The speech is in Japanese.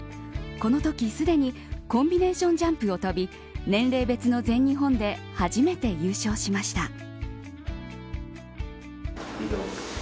このとき、すでにコンビネーションジャンプを跳び年齢別の全日本で初めて優勝しました。